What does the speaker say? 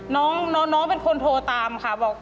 น้องเป็นคนโทรตามค่ะบอก